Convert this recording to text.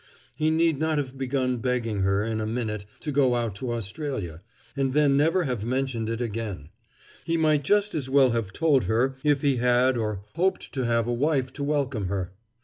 He need not have begun begging her, in a minute, to go out to Australia, and then never have mentioned it again; he might just as well have told her if he had or hoped to have a wife to welcome her!